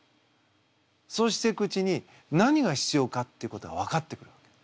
そうしていくうちに何が必要かっていうことが分かってくるわけ。